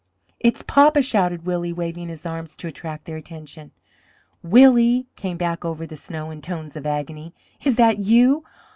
"It's papa!" shouted Willie, waving his arms to attract their attention. "Willie!" came back over the snow in tones of agony. "Is that you?